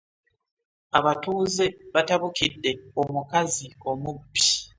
Abatuuze batabukidde omukazi omubbi.